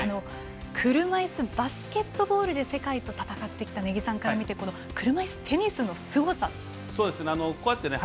車いすバスケットボールで世界と戦ってきた根木さんから見て車いすテニスのすごさとは。